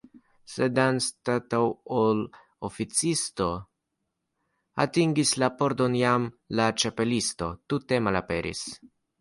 Sed antaŭ ol la oficisto atingis la pordon, jam la Ĉapelisto tute malaperis.